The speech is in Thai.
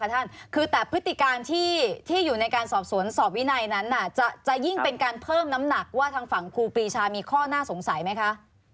ท่านคือแต่พฤติการที่อยู่ในการสอบสวนสอบวินัยนั้นจะยิ่งเป็นการเพิ่มน้ำหนักว่าทางฝั่งครูปีชามีข้อน่าสงสัยไหมคะ